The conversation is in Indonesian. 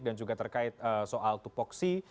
dan juga terkait soal tupoksi